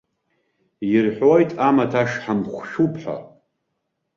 Ирҳәоит, амаҭ ашҳам хәшәуп ҳәа.